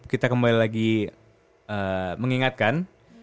kita kembali lagi mengingatkan